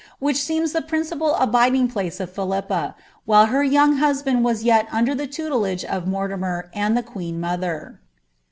wliifh seems the principal abidin)( phice of Philijipa, while her younj husband was yet under tlie tutelage of Mortiuior and tlie queeii ni<i6ei.